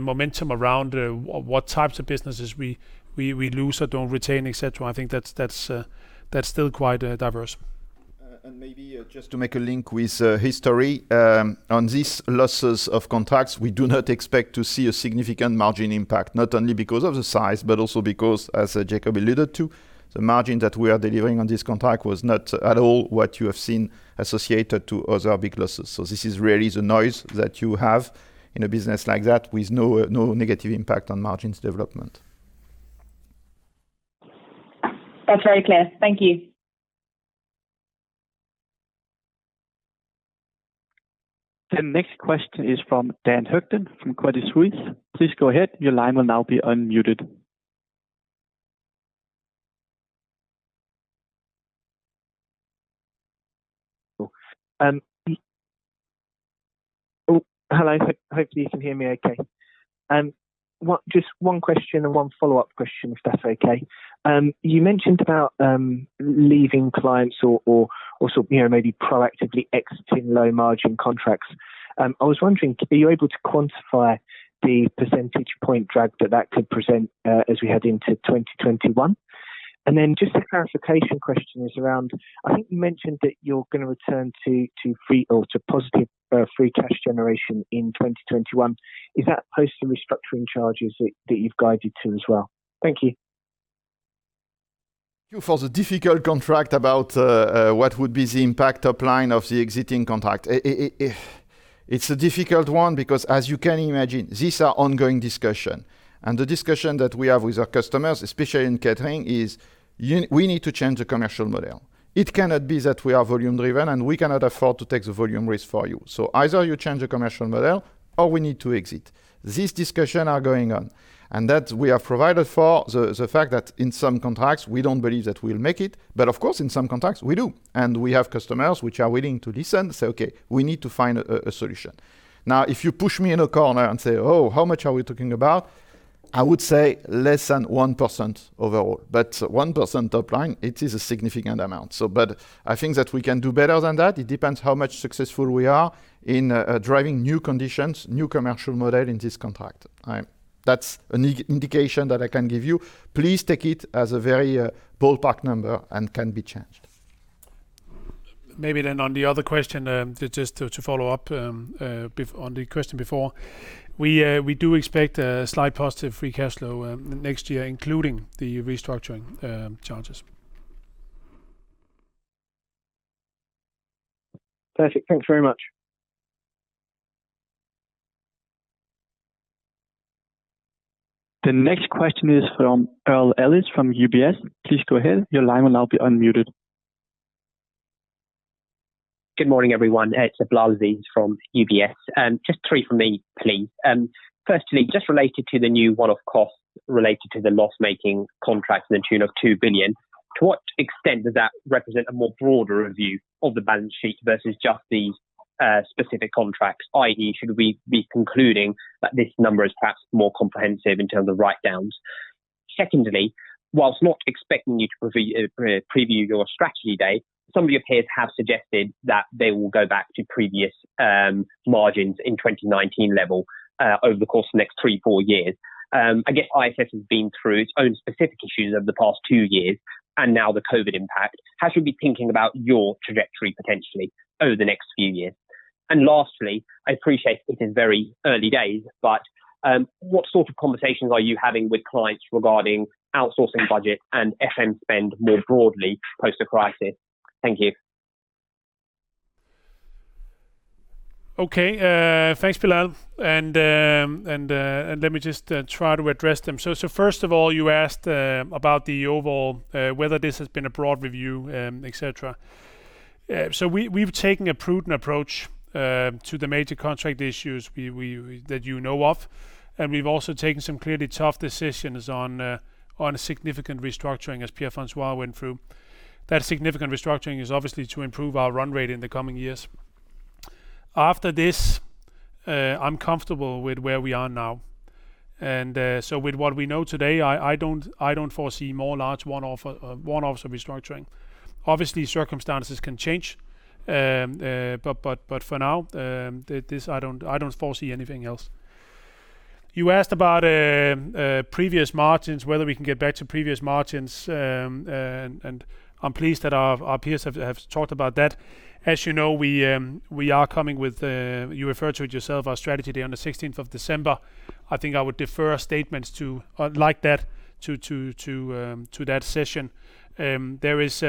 Speaker 2: momentum around what types of businesses we lose or don't retain, et cetera. I think that's still quite diverse.
Speaker 3: Maybe just to make a link with history. On these losses of contracts, we do not expect to see a significant margin impact, not only because of the size, but also because, as Jacob alluded to, the margin that we are delivering on this contract was not at all what you have seen associated to other big losses. This is really the noise that you have in a business like that with no negative impact on margins development.
Speaker 6: That's very clear. Thank you.
Speaker 4: The next question is from Dan Hobbs from Credit Suisse. Please go ahead.
Speaker 7: Oh, hello. Hopefully, you can hear me okay. Just one question and one follow-up question, if that's okay. You mentioned about leaving clients or maybe proactively exiting low-margin contracts. I was wondering, are you able to quantify the percentage point drag that that could present as we head into 2021? Just a clarification question is around, I think you mentioned that you're going to return to positive free cash generation in 2021. Is that post the restructuring charges that you've guided to as well? Thank you.
Speaker 3: Thank you for the difficult contract about what would be the impact top line of the exiting contract. It's a difficult one because as you can imagine, these are ongoing discussions. The discussion that we have with our customers, especially in catering, is we need to change the commercial model. It cannot be that we are volume-driven, and we cannot afford to take the volume risk for you. Either you change the commercial model or we need to exit. These discussions are going on, that we have provided for the fact that in some contracts, we don't believe that we'll make it. Of course, in some contracts, we do. We have customers which are willing to listen, say, "Okay, we need to find a solution." Now, if you push me in a corner and say, "Oh, how much are we talking about?" I would say less than 1% overall. 1% top line, it is a significant amount. I think that we can do better than that. It depends how much successful we are in driving new conditions, new commercial model in this contract. That's an indication that I can give you. Please take it as a very ballpark number and can be changed.
Speaker 2: Maybe on the other question, just to follow up on the question before. We do expect a slight positive free cash flow next year, including the restructuring charges.
Speaker 7: Perfect. Thanks very much.
Speaker 4: The next question is from Eamonn Ferry from UBS. Please go ahead. Your line will be unmuted.
Speaker 8: Good morning, everyone. It's Bilal Aziz from UBS. Just three from me, please. Firstly, just related to the new one-off costs related to the loss-making contracts in the tune of 2 billion. To what extent does that represent a more broader review of the balance sheet versus just the specific contracts, i.e., should we be concluding that this number is perhaps more comprehensive in terms of write-downs? Secondly, whilst not expecting you to preview your strategy day, some of your peers have suggested that they will go back to previous margins in 2019 level, over the course of the next three, four years. I guess ISS has been through its own specific issues over the past two years, and now the COVID-19 impact. How should we be thinking about your trajectory potentially over the next few years? Lastly, I appreciate it is very early days, but what sort of conversations are you having with clients regarding outsourcing budget and FM spend more broadly post the crisis? Thank you.
Speaker 2: Okay. Thanks, Bilal. Let me just try to address them. First of all, you asked about the overall, whether this has been a broad review, et cetera. We've taken a prudent approach to the major contract issues that you know of, and we've also taken some clearly tough decisions on a significant restructuring, as Pierre-François went through. That significant restructuring is obviously to improve our run rate in the coming years. After this, I'm comfortable with where we are now. With what we know today, I don't foresee more large one-offs of restructuring. Obviously, circumstances can change. For now, I don't foresee anything else. You asked about previous margins, whether we can get back to previous margins, and I'm pleased that our peers have talked about that. As you know, we are coming with, you referred to it yourself, our strategy day on the 16th of December. I think I would defer statements like that to that session. There is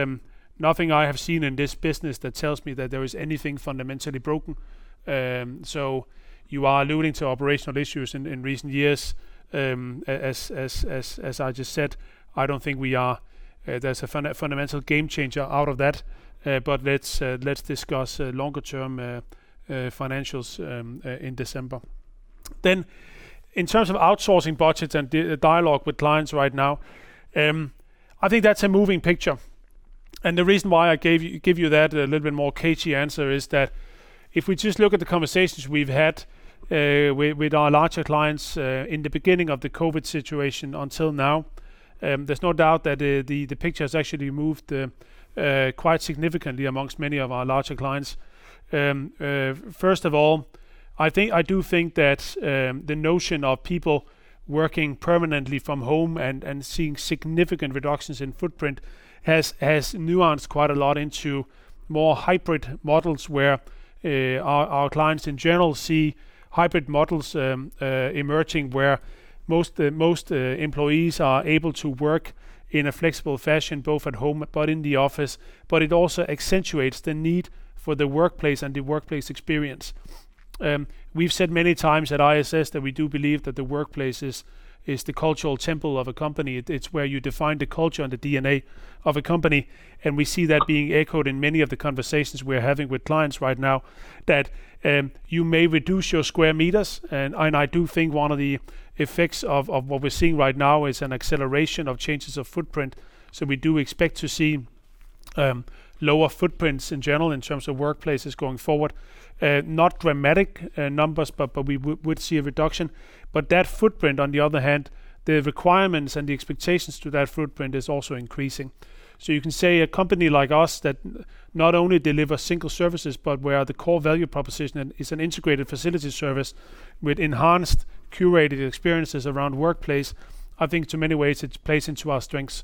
Speaker 2: nothing I have seen in this business that tells me that there is anything fundamentally broken. You are alluding to operational issues in recent years, as I just said. I don't think there's a fundamental game changer out of that. Let's discuss longer term financials in December. In terms of outsourcing budgets and the dialogue with clients right now, I think that's a moving picture. The reason why I gave you that a little bit more cagey answer is that if we just look at the conversations we've had, with our larger clients, in the beginning of the COVID situation until now, there's no doubt that the picture has actually moved quite significantly amongst many of our larger clients. First of all, I do think that the notion of people working permanently from home and seeing significant reductions in footprint has nuanced quite a lot into more hybrid models where our clients, in general, see hybrid models emerging, where most employees are able to work in a flexible fashion, both at home but in the office. It also accentuates the need for the workplace and the workplace experience. We've said many times at ISS that we do believe that the workplace is the cultural temple of a company. It's where you define the culture and the DNA of a company, and we see that being echoed in many of the conversations we're having with clients right now. That you may reduce your square meters. I do think one of the effects of what we're seeing right now is an acceleration of changes of footprint. We do expect to see lower footprints in general in terms of workplaces going forward. Not dramatic numbers, but we would see a reduction. That footprint, on the other hand, the requirements and the expectations to that footprint is also increasing. You can say a company like us that not only deliver single services, but where the core value proposition is an integrated facility service with enhanced, curated experiences around workplace. I think to many ways, it plays into our strengths.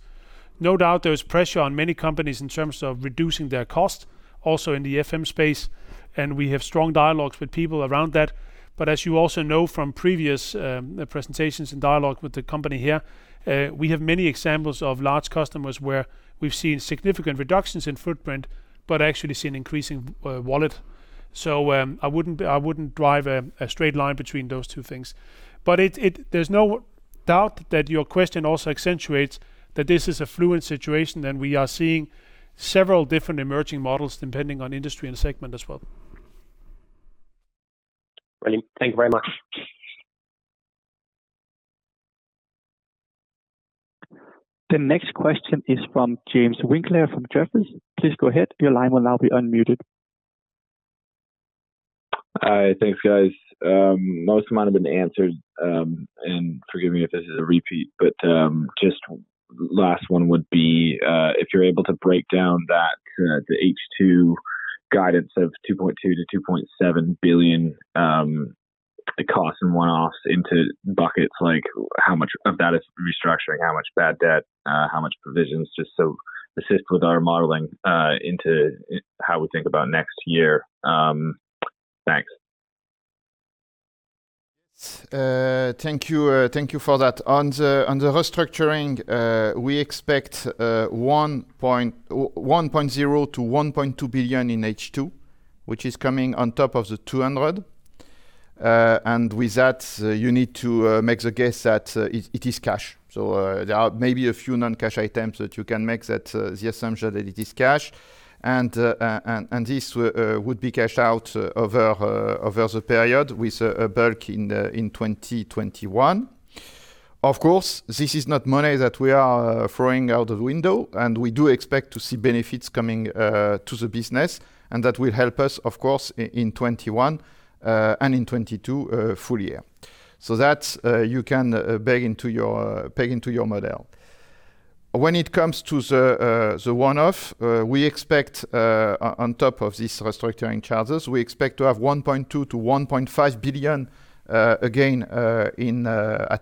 Speaker 2: No doubt there is pressure on many companies in terms of reducing their cost, also in the FM space. We have strong dialogues with people around that. As you also know from previous presentations and dialogue with the company here, we have many examples of large customers where we’ve seen significant reductions in footprint, but actually seen increase in wallet. I wouldn’t drive a straight line between those two things. There’s no doubt that your question also accentuates that this is a fluid situation. We are seeing several different emerging models depending on industry and segment as well.
Speaker 8: Brilliant. Thank you very much.
Speaker 4: The next question is from James Winkler from Jefferies. Please go ahead. Your line will now be unmuted.
Speaker 9: Hi. Thanks, guys. Most might have been answered, and forgive me if this is a repeat, but just last one would be, if you're able to break down that the H2 guidance of 2.2 billion-2.7 billion, the cost and one-offs into buckets, like how much of that is restructuring, how much bad debt, how much provisions, just so assist with our modeling into how we think about next year. Thanks.
Speaker 3: Yes. Thank you for that. On the restructuring, we expect 1.0 billion to 1.2 billion in H2, which is coming on top of the 200 million. With that, you need to make the guess that it is cash. There are maybe a few non-cash items that you can make that the assumption that it is cash. This would be cashed out over the period with a bulk in 2021. Of course, this is not money that we are throwing out of the window. We do expect to see benefits coming to the business, that will help us, of course, in 2021 and in 2022 full year. That you can peg into your model. When it comes to the one-off, on top of these restructuring charges, we expect to have 1.2 billion to 1.5 billion again at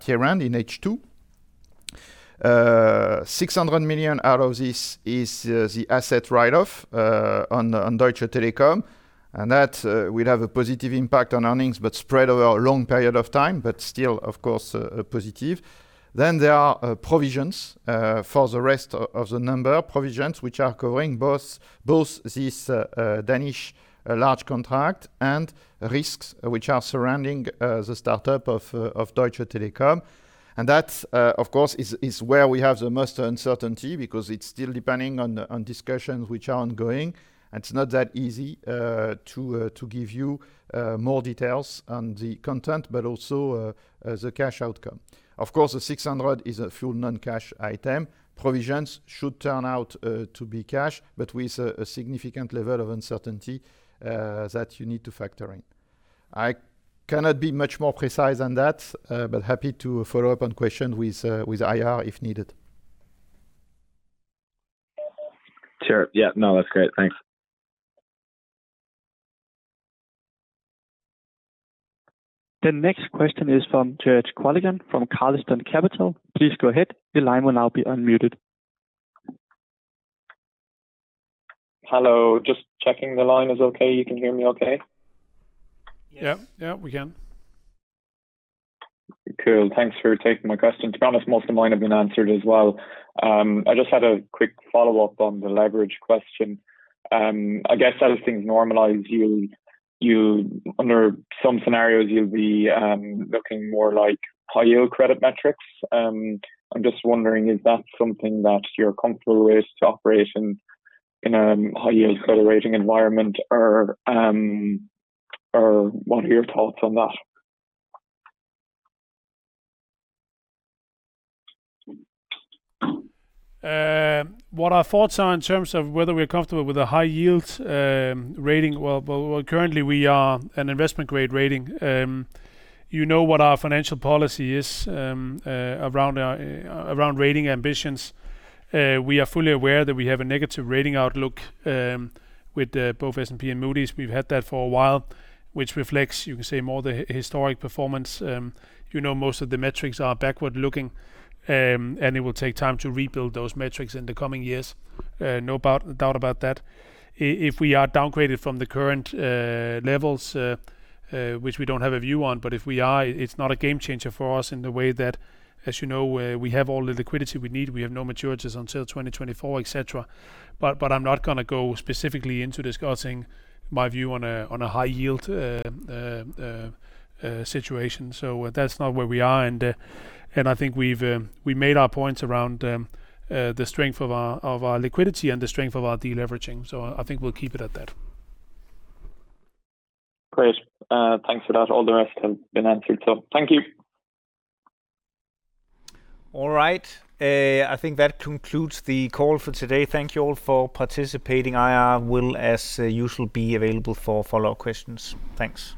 Speaker 3: year-end in H2. 600 million out of this is the asset write-off on Deutsche Telekom, and that will have a positive impact on earnings, but spread over a long period of time, but still, of course, positive. There are provisions for the rest of the number. Provisions which are covering both this Danish large contract and risks which are surrounding the startup of Deutsche Telekom. That, of course, is where we have the most uncertainty, because it's still depending on discussions which are ongoing, and it's not that easy to give you more details on the content, but also the cash outcome. Of course, the 600 is a full non-cash item. Provisions should turn out to be cash, with a significant level of uncertainty that you need to factor in. I cannot be much more precise than that, happy to follow up on question with IR if needed.
Speaker 9: Sure. Yeah, no, that's great. Thanks.
Speaker 4: The next question is from George Culligan from CULLIGAN Capital. Please go ahead.
Speaker 10: Hello. Just checking the line is okay. You can hear me okay?
Speaker 2: Yep. We can.
Speaker 10: Cool. Thanks for taking my question. To be honest, most of mine have been answered as well. I just had a quick follow-up on the leverage question. I guess as things normalize, under some scenarios, you'll be looking more like high yield credit metrics. I'm just wondering, is that something that you're comfortable with to operate in a high yield credit rating environment or what are your thoughts on that?
Speaker 2: What our thoughts are in terms of whether we're comfortable with a high yield rating, well, currently we are an investment grade rating. You know what our financial policy is around rating ambitions. We are fully aware that we have a negative rating outlook with both S&P and Moody's. We've had that for a while, which reflects, you can say, more the historic performance. You know, most of the metrics are backward-looking, and it will take time to rebuild those metrics in the coming years. No doubt about that. If we are downgraded from the current levels, which we don't have a view on, but if we are, it's not a game changer for us in the way that, as you know, we have all the liquidity we need. We have no maturities until 2024, et cetera. I'm not going to go specifically into discussing my view on a high yield situation. That's not where we are, and I think we've made our points around the strength of our liquidity and the strength of our de-leveraging. I think we'll keep it at that.
Speaker 10: Great. Thanks for that. All the rest have been answered. Thank you.
Speaker 1: All right. I think that concludes the call for today. Thank you all for participating. IR will, as usual, be available for follow-up questions. Thanks.